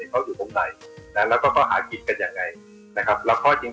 เค้าอยู่ตรงไหนก็หาผิดกันอย่างไหน